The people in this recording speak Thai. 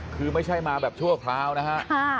คือไม่ใช่มาแบบชั่วคราวนะฮะ